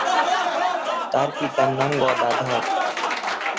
তার পিতার নাম গদাধর।